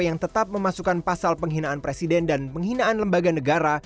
yang tetap memasukkan pasal penghinaan presiden dan penghinaan lembaga negara